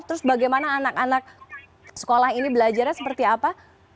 terus bagaimana anak anak sekolah ini belajarnya seperti apa